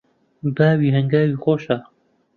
باوی هەنگاوی خۆشە